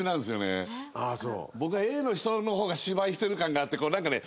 僕はＡの人の方が芝居してる感があってこうなんかね